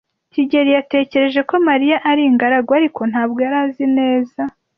kigeli yatekereje ko Mariya ari ingaragu, ariko ntabwo yari azi neza.